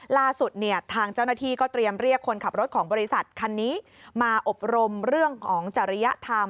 ล่าสุดเนี่ยทางเจ้าหน้าที่ก็เตรียมเรียกคนขับรถของบริษัทคันนี้